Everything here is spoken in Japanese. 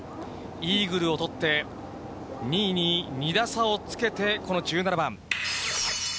イーグルを取って、２位に２打差をつけて、この１７番。